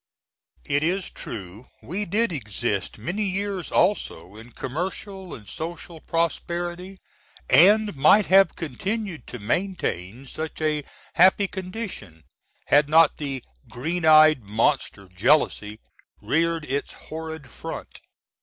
It is true we did exist many years also in commercial and social prosperity, & might have continued to maintain such a happy condition had not the "green eyed monster, jealousy, reared his horrid front."